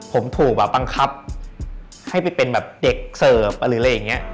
ผมถูกแบบบังคับให้ไปเป็นเด็กเสิร์ฟอะไรอย่างนี้